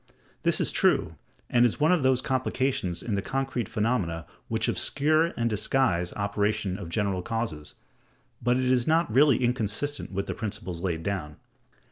This is true; and is one of those complications in the concrete phenomena which obscure and disguise the operation of general causes; but it is not really inconsistent with the principles laid down.